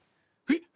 えっ？